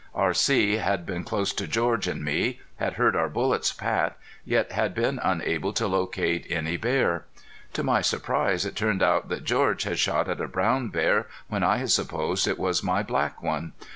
R.C. had been close to George and me, had heard our bullets pat, yet had been unable to locate any bear. To my surprise it turned out that George had shot at a brown bear when I had supposed it was my black one.